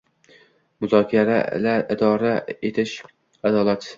muzokara ila idora etish adolat